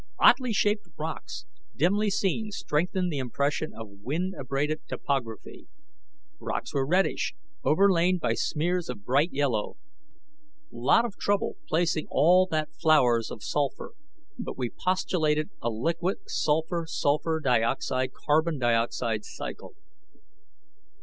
Oddly shaped rocks, dimly seen, strengthened the impression of wind abraded topography. Rocks were reddish, overlain by smears of bright yellow. Lot of trouble placing all that flowers of sulfur, but we postulated a liquid sulfur sulfur dioxide carbon dioxide cycle.